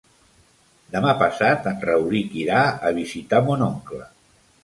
Demà passat en Rauric irà a visitar mon oncle.